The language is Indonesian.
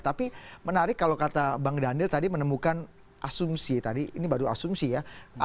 tapi menarik kalau kata bang daniel tadi menemukan asumsi tadi ini baru asumsi ya